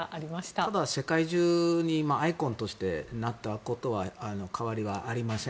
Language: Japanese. ただ、世界中にアイコンとしてなったことは変わりはありません。